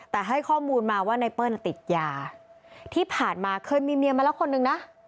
แต่ให้ข้อมูลมาว่าไนเปิ้ลติดยาที่ผ่านมาเคยมีเมียมาแล้วคนนึงนะ